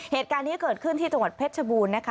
เหตุการณ์นี้เกิดขึ้นที่จังหวัดเพชรชบูรณ์นะคะ